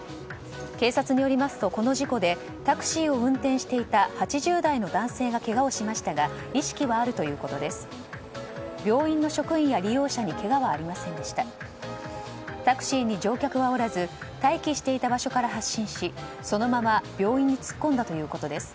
警察によりますとこの事故で、タクシーを運転していた８０代の男性がけがをしましたが意識はあるということです。